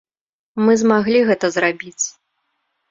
Мы змаглі гэта зрабіць.